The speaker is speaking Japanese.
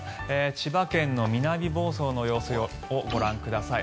千葉県の南房総の様子をご覧ください。